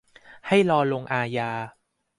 ให้รอลงอาญา